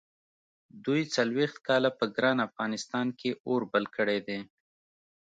دوی څلوېښت کاله په ګران افغانستان کې اور بل کړی دی.